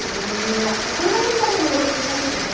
これだけで食べてもよさそうでしょ。